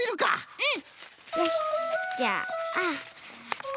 うん。